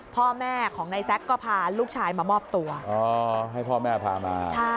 พ่อแม่ของนายแซ็กก็พาลูกชายมามอบตัวอ๋อให้พ่อแม่พามา